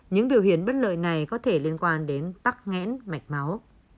những biểu hiện bất lợi này có thể liên quan đến tắc nghẽn mạch máu